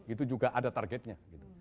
itu juga ada targetnya gitu